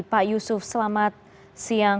pak yusuf selamat siang